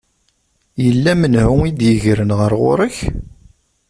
Yella menhu i d-yegren ɣer ɣur-k?